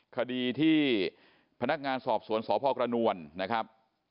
คดีที่พนักงานสอบสวนสพกระนวลนะครับ